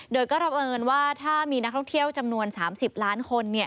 โดยก็เพราะเอิญว่าถ้ามีนักท่องเที่ยวจำนวน๓๐ล้านคน